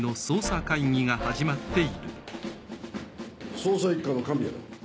捜査一課の神谷だ。